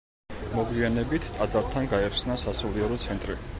მოგვიანებით ტაძართან გაიხსნა სასულიერო ცენტრი.